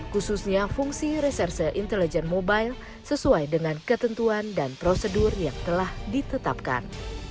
khususnya fungsi reserse intelligent mobile sesuai dengan ketentuan dan prosedur yang telah ditetapkan